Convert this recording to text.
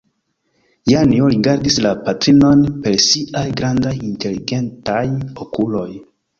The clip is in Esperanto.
Janjo rigardis la patrinon per siaj grandaj inteligentaj okuloj.